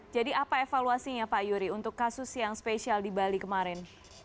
jadi apa evaluasinya pak yuri untuk kasus yang spesial di bali kemarin